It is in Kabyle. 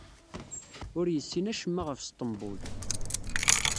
Ur yessin acemma ɣef Sṭembul.